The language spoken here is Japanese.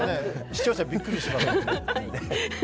視聴者びっくりしますよ。